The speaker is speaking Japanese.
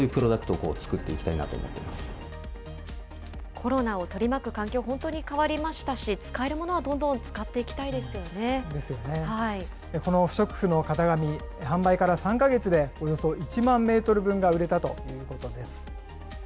コロナを取り巻く環境、本当に変わりましたし、使えるものはどんどん使っていきたいですですよね、この不織布の型紙、販売から３か月で、およそ１万メートル分が売れたということです。